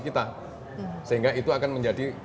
kita sehingga itu akan menjadi